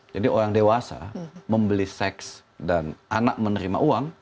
jadi orang dewasa membeli seks dan anak menerima uang